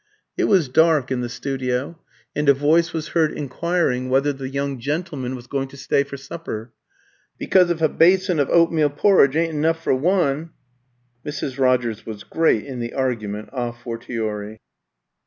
It was dark in the studio, and a voice was heard inquiring whether the young gentleman was going to stay for supper, "Because, if a bysin of hoatmeal porridge yn't enuff for one " Mrs. Rogers was great in the argument a fortiori.